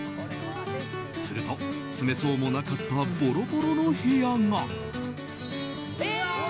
すると、住めそうもなかったボロボロの部屋が。